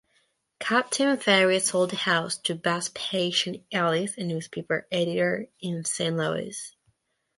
Captain Ferris sold the house to Vespasian Ellis, a newspaper editor in Saint Louis.